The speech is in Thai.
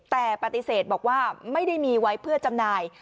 แต่ปฏิเสธบอกว่าไม่ได้มีไว้เพื่อจำหน่าย